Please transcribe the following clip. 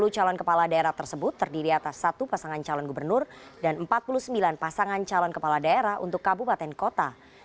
sepuluh calon kepala daerah tersebut terdiri atas satu pasangan calon gubernur dan empat puluh sembilan pasangan calon kepala daerah untuk kabupaten kota